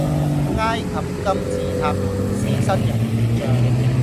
埃及金字塔同獅身人面像